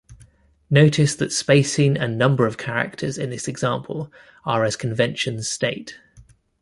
Notice that spacing and number of characters in this example are as conventions state.